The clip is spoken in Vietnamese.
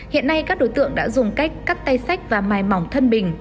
hiện nay các đối tượng đã dùng cách cắt tay sách và mài mỏng thân bình